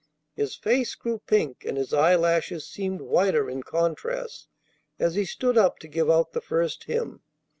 His face grew pink, and his eyelashes seemed whiter in contrast as he stood up to give out the first hymn.